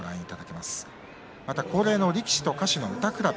また、恒例の力士と歌手の歌くらべ。